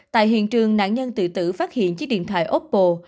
tại hiện trường nạn nhân tự tử phát hiện chiếc điện thoại opple